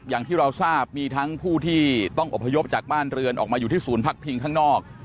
อย่างที่เราทราบมีทั้งผู้ที่ต้องอบพยพจากบ้านเรือนออกมาอยู่ที่ศูนย์พักพิงข้างนอก